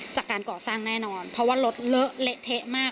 จากการก่อสร้างแน่นอนเพราะว่ารถเลอะเละเทะมาก